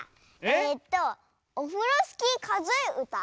えっと「オフロスキーかぞえうた」？